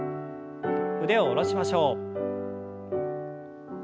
腕を下ろしましょう。